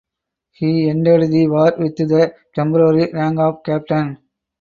He ended the war with the temporary rank of captain.